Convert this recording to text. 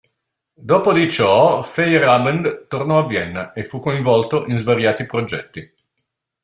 Dopo di ciò Feyerabend tornò a Vienna e fu coinvolto in svariati progetti.